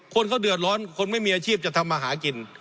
คนเขาเดือดร้อนคนไม่มีอาชีพจะทำมาหากิน